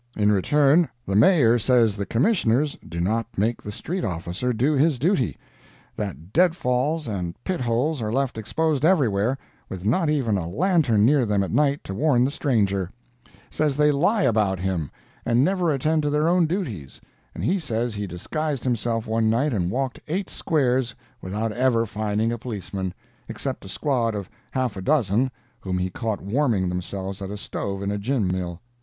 In return, the Mayor says the Commissioners do not make the Street Officer do his duty; that dead falls and pit holes are left exposed everywhere, with not even a lantern near them at night to warn the stranger; says they lie about him, and never attend to their own duties; and he says he disguised himself one night and walked eighty squares without ever finding a policeman, except a squad of half a dozen, whom he caught warming themselves at a stove in a gin mill.